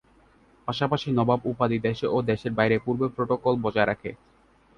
পাশাপাশি নবাব উপাধি, দেশে ও দেশের বাইরে পূর্বের প্রটোকল বজায় থাকে।